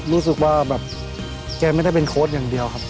รู้สึกว่าแบบแกไม่ได้เป็นโค้ดอย่างเดียวครับ